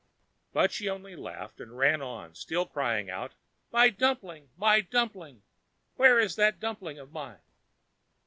But she only laughed and ran on, still crying out: "My dumpling! my dumpling! Where is that dumpling of mine?"